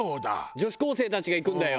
女子高生たちが行くんだよ。